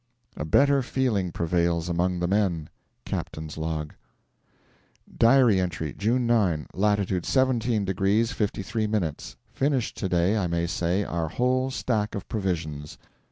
A better feeling prevails among the men. Captain's Log. (Diary entry) June 9. Latitude 17 degrees 53 minutes. Finished to day, I may say, our whole stack of provisions.